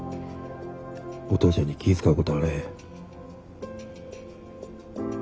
お父ちゃんに気ぃ遣うことあれへん。